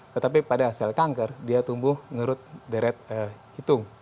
tetapi pada sel kanker dia tumbuh menurut deret hitung